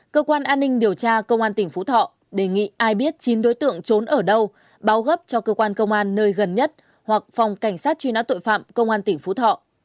cơ quan an ninh điều tra công an tỉnh phú thọ đề nghị ai biết chín đối tượng trốn ở đâu báo gấp cho cơ quan công an nơi gần nhất hoặc phòng cảnh sát truy nã tội phạm công an tỉnh phú thọ